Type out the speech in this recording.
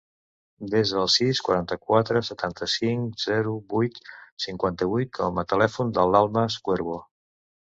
Desa el sis, quaranta-quatre, setanta-cinc, zero, vuit, cinquanta-vuit com a telèfon de l'Almas Cuervo.